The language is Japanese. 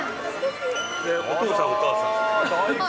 で、お父さん、お母さん。